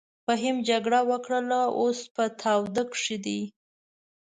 فهيم جګړه وکړه اوس په تاوده کښی دې.